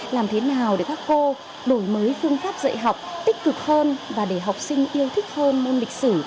làm thế nào để các cô đổi mới phương pháp dạy học tích cực hơn và để học sinh yêu thích hơn môn lịch sử